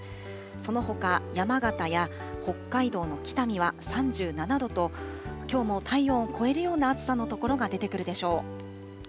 そのほか、山形や北海道の北見は３７度と、きょうも体温を超えるような暑さの所が出てくるでしょう。